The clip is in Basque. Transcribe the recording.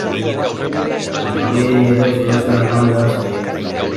Baina horiei ere soluzioa eman behar zaie.